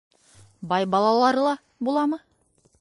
— Бай балалары ла буламы?